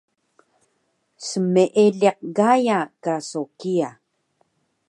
smeeliq Gaya ka so kiya